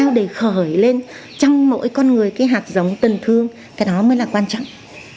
cô nghĩ làm sao để khởi lên trong mỗi con người cái hạt giống tình thương cái đó mới là quan trọng